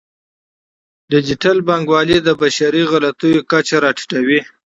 ډیجیټل بانکوالي د بشري غلطیو کچه راټیټوي.